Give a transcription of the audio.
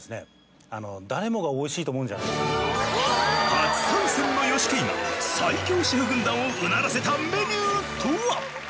初参戦のヨシケイが最強シェフ軍団をうならせたメニューとは？